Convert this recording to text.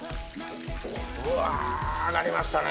うわ揚がりましたね。